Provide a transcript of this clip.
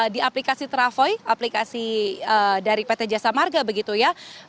di aplikasi travoi aplikasi dari pt jasa marga begitu ya